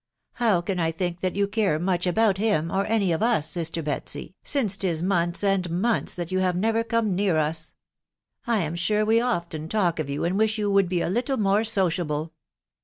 " How can I think that you care much about him, or any of us, sister Betsy, since 'tis months and months that you have never come near us ?.... I am sure we often talk of you, and wish you would be a little more sociable."